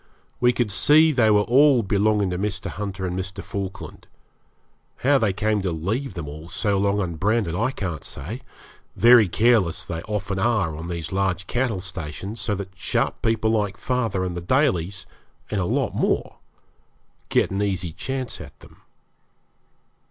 We could see they were all belonging to Mr. Hunter and Mr. Falkland. How they came to leave them all so long unbranded I can't say. Very careless they often are on these large cattle stations, so that sharp people like father and the Dalys, and a lot more, get an easy chance at them.